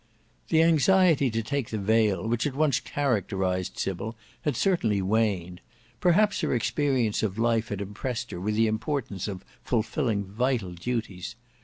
The anxiety to take the veil which had once characterised Sybil had certainly waned. Perhaps her experience of life had impressed her with the importance of fulfilling vital duties.